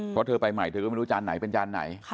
เพราะเธอไปใหม่เธอก็ไม่รู้จานไหนเป็นจานไหน